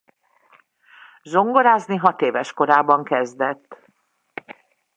Zongorázni hat éves korában kezdett.